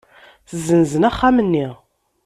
Ssenzen axxam-nni.